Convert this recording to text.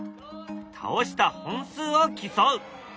倒した本数を競う。